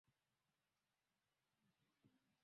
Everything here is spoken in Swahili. Hakuna mtu mwingine aliyeuawa mbali nae